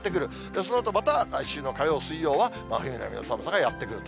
そのあとまた、来週の火曜、水曜は真冬並みの寒さがやって来ると。